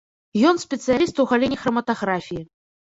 Ён спецыяліст у галіне храматаграфіі.